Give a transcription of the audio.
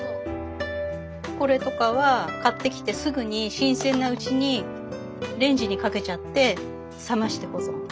これとかは買ってきてすぐに新鮮なうちにレンジにかけちゃって冷まして保存。